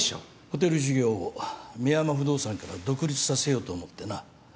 ホテル事業を深山不動産から独立させようと思ってな。